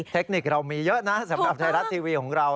เทคนิคเรามีเยอะนะสำหรับไทยรัฐทีวีของเรา